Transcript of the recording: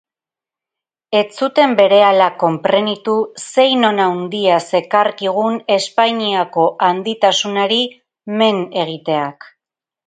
Ez zuten berehala konprenitu zein on handia zekarkigun Espainiako handitasunari men egiteak.